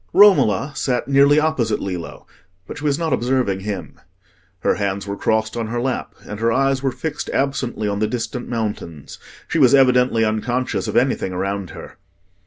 Romola sat nearly opposite Lillo, but she was not observing him. Her hands were crossed on her lap and her eyes were fixed absently on the distant mountains: she was evidently unconscious of anything around her.